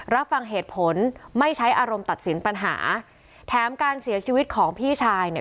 รับฟังเหตุผลไม่ใช้อารมณ์ตัดสินปัญหาแถมการเสียชีวิตของพี่ชายเนี่ย